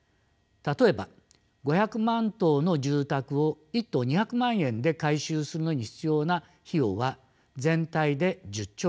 例えば５００万棟の住宅を１棟２００万円で改修するのに必要な費用は全体で１０兆円です。